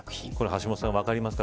橋下さん、分かりますか。